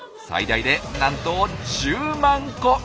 最大でなんと１０万個！